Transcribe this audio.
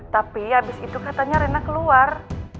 tapi habis itu katanya rena keluar